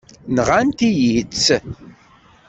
Nɣant-iyi-tt.